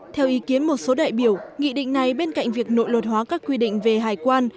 theo ý kiến một số đại biểu nghị định này bên cạnh việc nội luật hóa các quy định về hải quan